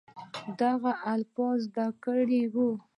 دغه الفاظ زده کړي وي